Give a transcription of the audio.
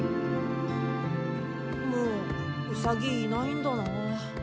もうウサギいないんだな。